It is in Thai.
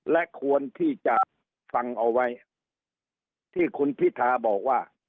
และควรที่จะฟังเอาไว้ที่คุณพิธาบอกว่า